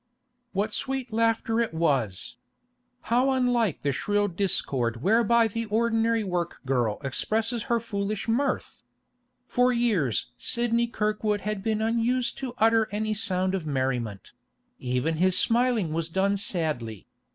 What sweet laughter it was? How unlike the shrill discord whereby the ordinary work girl expresses her foolish mirth! For years Sidney Kirkwood had been unused to utter any sound of merriment; even his smiling was done sadly.